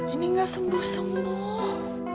ini gak sembuh sembuh